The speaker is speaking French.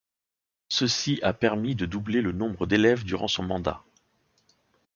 Ceci a permis de doubler le nombre d'élèves durant son mandat.